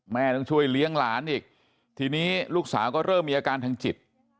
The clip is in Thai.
แม่ต้องช่วยเลี้ยงหลานอีกทีนี้ลูกสาวก็เริ่มมีอาการทางจิต